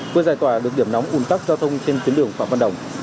quyên giải tỏa được điểm nóng un tắc giao thông trên tuyến đường phạm văn đồng